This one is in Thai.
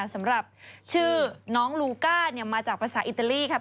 สำหรับชื่อน้องลูก้ามาจากภาษาอิตาลีค่ะ